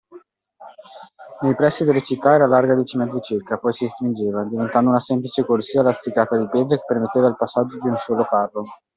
Nei pressi delle città era larga dieci metri circa, poi si stringeva, diventando una semplice corsia lastricata di pietre che permetteva il passaggio di un solo carro.